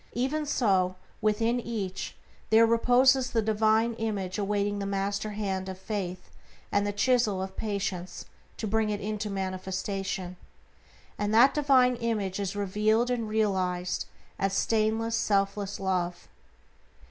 Even so, within each there reposes the Divine Image awaiting the master hand of Faith and the chisel of Patience to bring it into manifestation. And that Divine Image is revealed and realized as stainless, selfless Love.